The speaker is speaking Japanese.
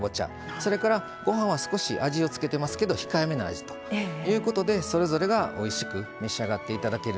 それから、ごはんは少し味を付けてますけど控えめな味ということでそれぞれが、おいしく召し上がっていただける。